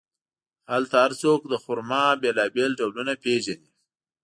هلته هر څوک د خرما بیلابیل ډولونه پېژني.